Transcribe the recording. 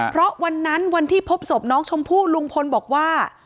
เพราะวันนั้นวันที่พบศพน้องชมพู่ลุงพลบอกว่า